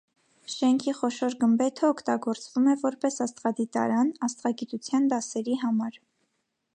Շենքի խոշոր գմբեթը օգտագործվում է որպես աստղադիտարան՝ աստղագիտության դասերի համար։